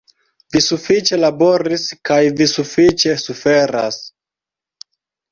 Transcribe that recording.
Vi sufiĉe laboris kaj Vi sufiĉe suferas!